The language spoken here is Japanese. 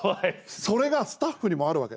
それがスタッフにもあるわけ。